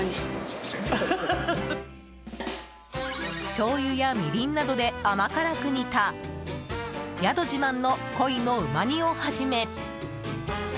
しょうゆや、みりんなどで甘辛く煮た宿自慢の鯉のうま煮をはじめ。